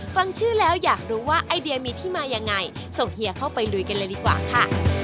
ฟังชื่อแล้วอยากรู้ว่าไอเดียมีที่มายังไงส่งเฮียเข้าไปลุยกันเลยดีกว่าค่ะ